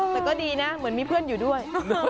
แต่ก็ดีนะเหมือนมีเพื่อนอยู่ด้วย